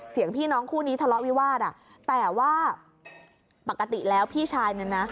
พี่น้องคู่นี้ทะเลาะวิวาสอ่ะแต่ว่าปกติแล้วพี่ชายเนี่ยนะ